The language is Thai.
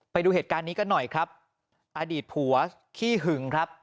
ไปดูเหตุการณ์นี้กันหน่อยครับอดีตผัวขี้หึงครับ